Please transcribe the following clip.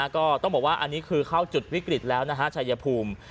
ก็ต้องบอกว่าอันนี้คือเข้าจุดวิกฤตแล้วนะฮะชายภูมิ